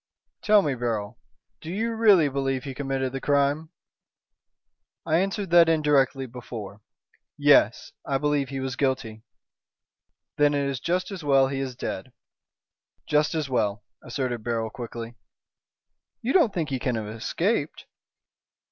"Tell me, Beryl, do you really believe he committed the crime?" "I answered that indirectly before. Yes, I believe he was guilty." "Then it is just as well he is dead." "Just as well," asserted Beryl, quickly. "You don't think he can have escaped?"